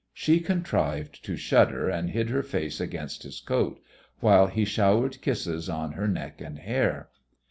She contrived to shudder, and hid her face against his coat, while he showered kisses on her neck and hair.